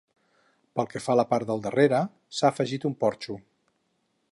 Pel que fa a la part del darrere, s'ha afegit un porxo.